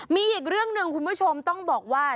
มีอีกเรื่องหนึ่งคุณผู้ชมต้องบอกว่า